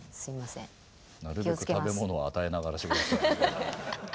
なるべく食べ物を与えながら仕事しないと。